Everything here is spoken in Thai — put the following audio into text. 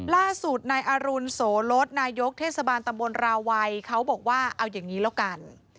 ล่าสุดนายอรุณโสลดนายกเทศบาลตำบลราวัยเขาบอกว่าเอาอย่างนี้แล้วกัน